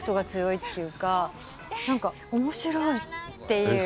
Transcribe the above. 面白いっていう。